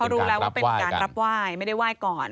รู้แล้วว่าเป็นการรับไหว้ไม่ได้ไหว้ก่อน